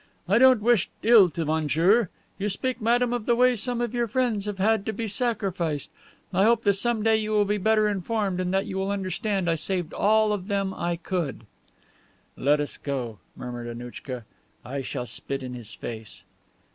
"I don't wish ill to monsieur. You speak, madame, of the way some of your friends have had to be sacrificed. I hope that some day you will be better informed, and that you will understand I saved all of them I could." "Let us go," muttered Annouchka. "I shall spit in his face."